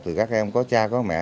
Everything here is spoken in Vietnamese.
thì các em có cha có mẹ